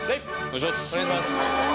お願いします。